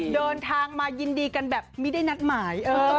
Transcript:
เดินทางมายินดีกันแบบไม่ได้นัดหมาย